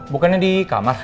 bukannya di kamar